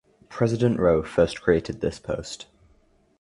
President Roh first created this post.